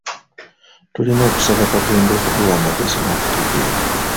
Tulina okusaba Katonda okutuwa amagezi n'okutegeera.